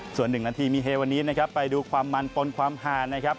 ส่วน๑นาทีมีเฮวันนี้นะครับไปดูความมันปนความหานะครับ